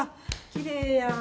きれいやん！